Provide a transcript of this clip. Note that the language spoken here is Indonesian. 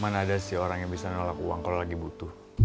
mana ada sih orang yang bisa nolak uang kalau lagi butuh